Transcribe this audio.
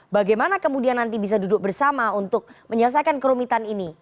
bagaimana kemudian nanti bisa duduk bersama untuk menyelesaikan kerumitan ini